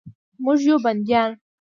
موږ یو بندیان